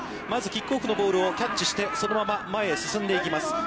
まずキックオフのボールをキャッチしてそのまま前へ進んでいきます。